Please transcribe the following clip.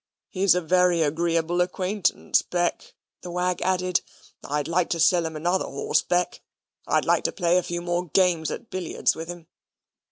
"He's a very agreeable acquaintance, Beck," the wag added. "I'd like to sell him another horse, Beck. I'd like to play a few more games at billiards with him.